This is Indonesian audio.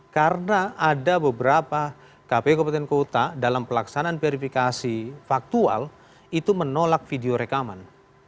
karena ada beberapa kpu keputusan kota dalam pelaksanaan verifikasi faktual itu menolak video rekaman